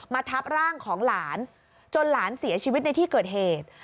ทับร่างของหลานจนหลานเสียชีวิตในที่เกิดเหตุ